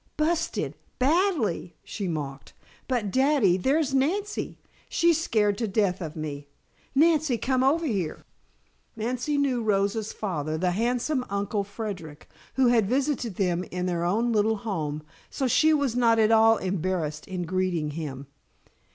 'Busted' badly!" she mocked. "But Daddy, there's Nancy. She's scared to death of me, Nancy, come over here " Nancy knew Rosa's father, the handsome Uncle Frederic who had visited them in their own little home, so she was not at all embarrassed in greeting him.